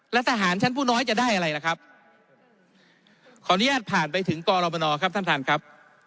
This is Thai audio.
และทหารชั้นผู้น้อยจะได้อะไรล่ะครับขออนุญาตผ่านไปถึงกรมนครับท่านท่านครับ